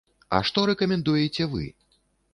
А што рэкамендуеце вы?